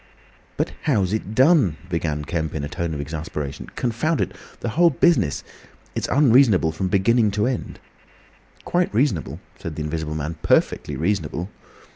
"But how's it done?" began Kemp, in a tone of exasperation. "Confound it! The whole business—it's unreasonable from beginning to end." "Quite reasonable," said the Invisible Man. "Perfectly reasonable."